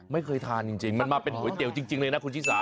ไม่เคยทานจริงมันมาเป็นก๋วยเตี๋ยวจริงเลยนะคุณชิสา